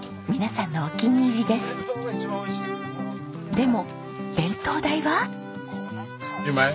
でも弁当代は？